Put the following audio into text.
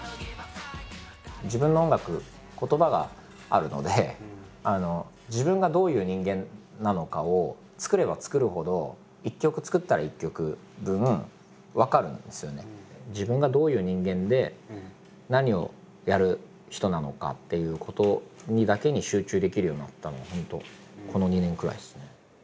自分の音楽言葉があるので自分がどういう人間なのかを作れば作るほど自分がどういう人間で何をやる人なのかっていうことだけに集中できるようになったのは本当この２年くらいですね。